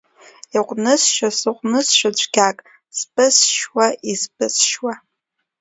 Иҟәнысшьо, сыҟәнызшьо, цәгьак сԥызшьуа, изԥысшьуа.